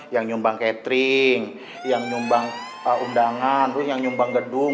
yang nyumbang catering yang nyumbang undangan terus yang nyumbang gedung